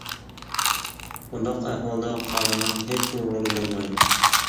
بۇنداق ئەھۋالدا قانۇننىڭ ھېچبىر رولى بولمايدۇ.